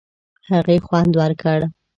هغې خوند ورکړ.